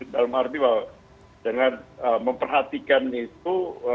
dalam arti bahwa dengan memperhatikan itu